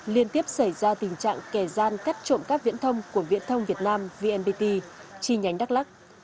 liên tiếp xảy ra tình trạng kẻ gian cắt trộm các viễn thông của viện thông việt nam vnpt chi nhánh đắk lắc